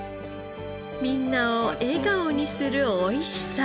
みんなを笑顔にする美味しさ。